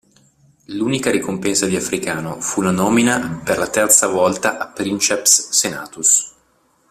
L'unica ricompensa di Africano fu la nomina per la terza volta a "princeps senatus".